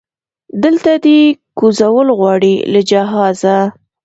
دلته دی کوزول غواړي له جهازه